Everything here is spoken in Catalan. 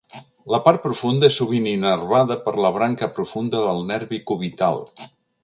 La part profunda és sovint innervada per la branca profunda del nervi cubital.